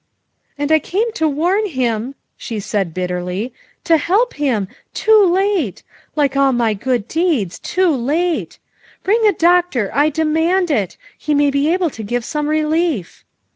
'' "And I came to warn him," she said bitterly, " to help him too late; like all my good deeds too late. Bring a doctor, I demand it. He may be able to give some relief."